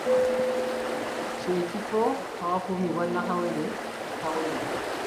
Kye kifo awakuumibwa nnakawere ne kawere.